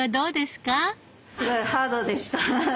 すごいハードでした。